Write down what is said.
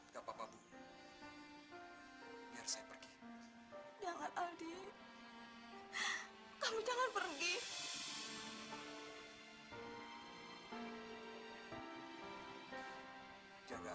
sampai jumpa di video selanjutnya